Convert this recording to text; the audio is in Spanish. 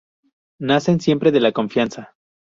Nacen siempre de la confianza.